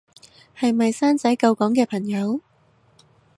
係咪生仔救港嘅朋友